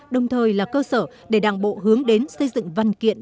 đồng thời là cơ sở để đảng bộ hướng đến xây dựng văn kiện